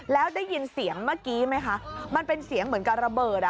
แล้วได้ยินเสียงเมื่อกี้ไหมคะมันเป็นเสียงเหมือนกับระเบิดอ่ะ